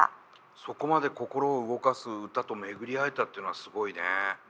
そこまで心を動かす歌と巡り合えたっていうのはすごいね。